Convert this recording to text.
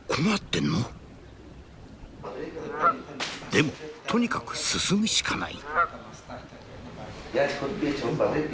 でもとにかく進むしかない。